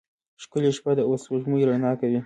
ښکلی شپه ده او سپوږمۍ رڼا کوي.